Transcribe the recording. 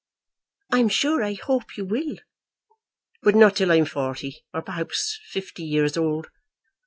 "I'm sure I hope you will." "But not till I'm forty or perhaps fifty years old.